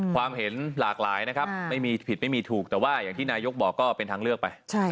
ความเห็นหลากหลายนะครับไม่มีผิดไม่มีถูกแต่ว่าอย่างที่นายกบอกก็เป็นทางเลือกไป